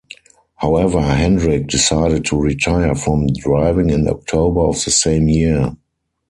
However, Hendrick decided to retire from driving in October of the same year.